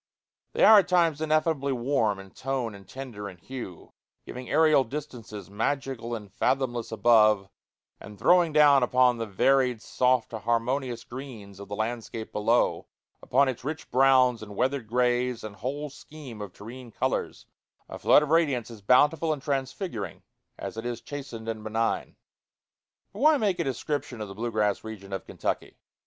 They are at times ineffably warm in tone and tender in hue, giving aerial distances magical and fathomless above, and throwing down upon the varied soft harmonious greens of the landscape below, upon its rich browns and weathered grays and whole scheme of terrene colors, a flood of radiance as bountiful and transfiguring as it is chastened and benign. But why make a description of the blue grass region of Kentucky?